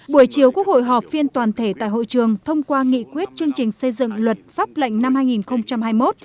buổi chiều quốc hội họp phiên toàn thể tại hội trường thông qua nghị quyết chương trình xây dựng luật pháp lệnh năm hai nghìn hai mươi một